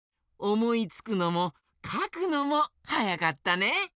おもいつくのもかくのもはやかったね。